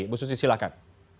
bu susi silakan